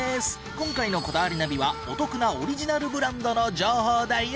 今回の『こだわりナビ』はお得なオリジナルブランドの情報だよ。